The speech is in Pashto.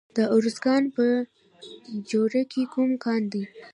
د ارزګان په چوره کې کوم کان دی؟